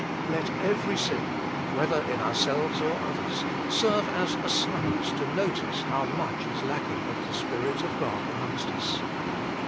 Let every sin, whether in ourselves or others, serve as a summons to notice how much is lacking of the Spirit of God amongst us.